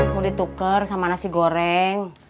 mau ditukar sama nasi goreng